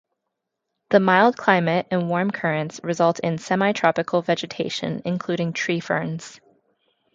The mild climate and warm currents result in semi-tropical vegetation, including tree ferns.